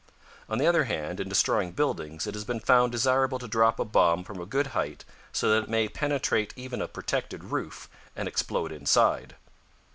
On the other hand, in destroying buildings, it has been found desirable to drop a bomb from a good height so that it may penetrate even a protected roof, and explode inside.